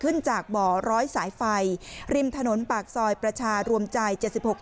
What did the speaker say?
ขึ้นจากบ่อร้อยสายไฟริมถนนปากซอยประชารวมจ่ายเจ็ดสิบหก